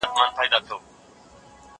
لکه وروڼه په قسمت به شریکان یو